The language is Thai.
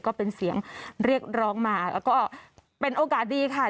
ก็เป็นเสียงเรียกร้องมาแล้วก็เป็นโอกาสดีค่ะ